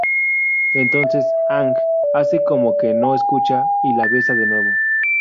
Entonces, Aang hace como que no escucha y la besa de nuevo.